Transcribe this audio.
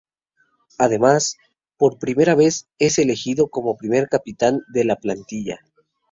Además, por primera vez es elegido como primer capitán de la plantilla.